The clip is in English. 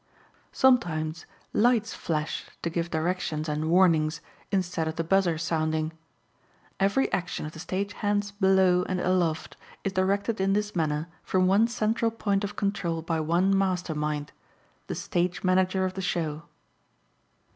Sometimes lights flash to give directions and warnings, instead of the buzzer sounding. Every action of the stage hands below and aloft is directed in this manner from one central point of control by one master mind, the stage manager of the show.